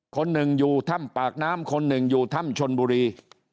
คนหนึ่งอยู่ถ้ำปากน้ำคนหนึ่งอยู่ถ้ำชนบุรี